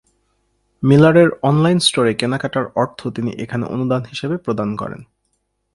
মিলারের online স্টোরে কেনাকাটার অর্থ তিনি এখানে অনুদান হিসেবে প্রদান করেন।